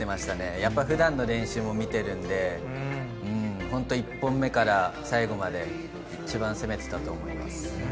やっぱり普段の練習も見ているんで、１本目から最後まで一番攻めていたと思います。